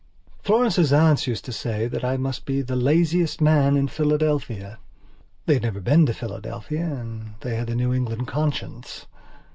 Florence's aunts used to say that I must be the laziest man in Philadelphia. They had never been to Philadelphia and they had the New England conscience.